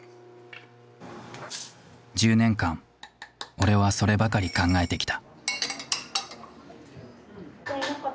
１０年間俺はそればかり考えてきた。